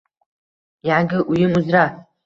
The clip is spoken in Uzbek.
Yangi uyim uzra